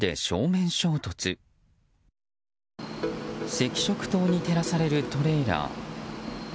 赤色灯に照らされるトレーラー。